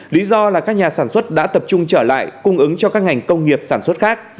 lý do là các nhà sản xuất đã tập trung trở lại cung ứng cho các ngành công nghiệp sản xuất khác